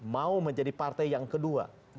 mau menjadi partai yang kedua